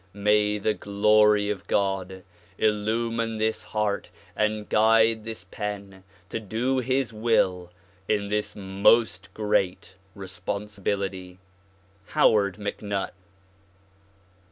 May the Glory of God illumine this heart and guide this pen to do his will in this most great respon sibility. How.vRD MacNutt.